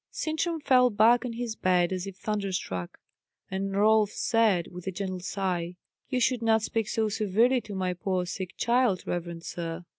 Sintram fell back on his bed as if thunderstruck; and Rolf said, with a gentle sigh, "You should not speak so severely to my poor sick child, reverend sir."